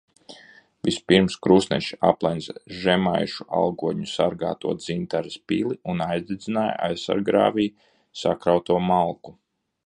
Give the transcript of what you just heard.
Vispirms krustneši aplenca žemaišu algotņu sargāto Dzintares pili un aizdedzināja aizsarggrāvī sakrauto malku.